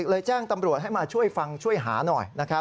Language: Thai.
เลยแจ้งตำรวจให้มาช่วยฟังช่วยหาหน่อย